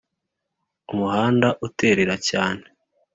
umuhanda uterera cyane